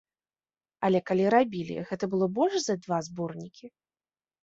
Але калі рабілі, гэта было больш за два зборнікі?